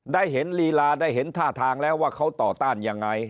ได้เห็นลีลาได้เห็นท่าทางแล้วว่าเขาต่อต้านยังไง